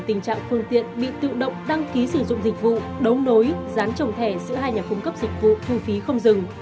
tình trạng phương tiện bị tự động đăng ký sử dụng dịch vụ đấu nối gián trồng thẻ giữa hai nhà cung cấp dịch vụ thu phí không dừng